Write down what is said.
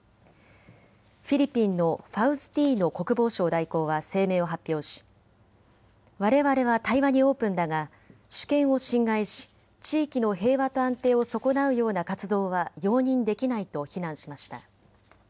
フィリピンのファウスティーノ国防相代行は声明を発表し我々は対話にオープンだが主権を侵害し地域の平和と安定を損なうような活動は容認できないと非難しました。